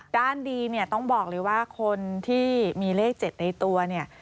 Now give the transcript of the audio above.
ดีเนี่ยต้องบอกเลยว่าคนที่มีเลข๗ในตัวเนี่ย